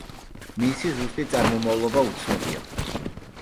მისი ზუსტი წარმომავლობა უცნობია.